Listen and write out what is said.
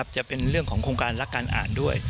จะเป็นเรื่องของโครงการรักการอ่านด้วย